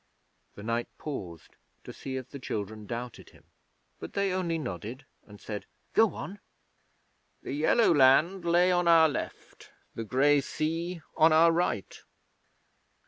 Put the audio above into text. The knight paused to see if the children doubted him, but they only nodded and said, 'Go on.' 'The yellow land lay on our left, the grey sea on our right.